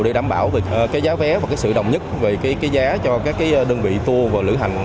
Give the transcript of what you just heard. để đảm bảo về cái giá vé và cái sự đồng nhất về cái giá cho các đơn vị tour và lữ hành